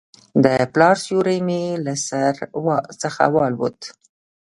د پلار سیوری مې له سر څخه والوت.